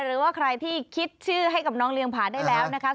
หรือว่าใครที่คิดชื่อให้กับน้องเลี้ยผาได้แล้วนะคะ